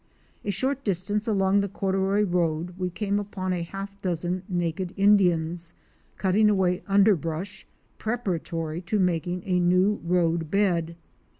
A short distance along the corduroy road we came upon a half dozen naked Indians cutting away underbush, prepara tory to making a new road bed.